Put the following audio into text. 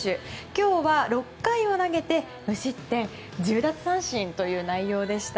今日は６回を投げて無失点１０奪三振という内容でした。